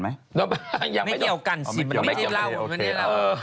ไม่เกี่ยวกันสิมันไม่ได้เล่าหมดไม่ได้เล่าหมด